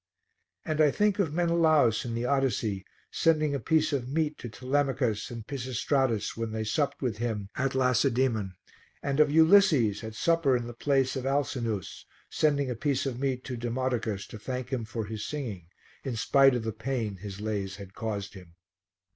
And I think of Menelaus in the Odyssey sending a piece of meat to Telemachus and Pisistratus when they supped with him at Lacedaemon; and of Ulysses, at supper in the palace of Alcinous, sending a piece of meat to Demodocus to thank him for his singing, in spite of the pain his lays had caused him.